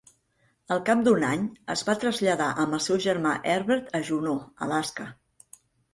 Al cap d'un any, es va traslladar amb el seu germà Herbert a Juneau, Alaska.